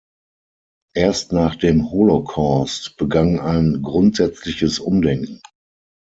Erst nach dem Holocaust begann ein grundsätzliches Umdenken.